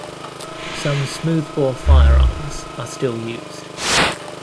Some smoothbore firearms are still used.